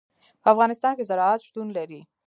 په افغانستان کې زراعت شتون لري.